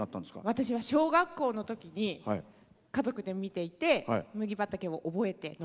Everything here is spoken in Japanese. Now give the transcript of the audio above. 私は小学校のときに家族で見ていて「麦畑」を覚えて。